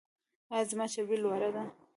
ایا زما چربي لوړه ده؟